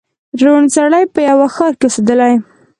ړوند سړی په یوه ښار کي اوسېدلی